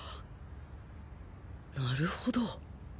なるほど